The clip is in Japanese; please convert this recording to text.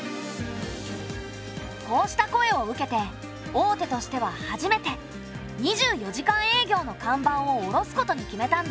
こうした声を受けて大手としては初めて２４時間営業の看板を下ろすことに決めたんだ。